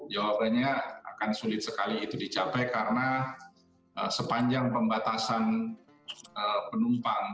jawabannya akan sulit sekali itu dicapai karena sepanjang pembatasan penumpang